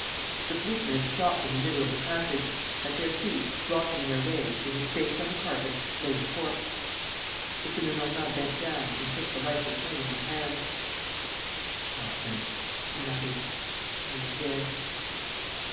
The policemen had stopped in the middle of the passage. At their feet, blocking their way, with its face on the carpet, lay a corpse. M. Lenormand bent down and took the lifeless head in his hands: "Chapman," he muttered. "He is dead."